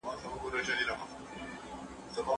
ماشوم د ونې هغې څانګې ته لاس ورساوه.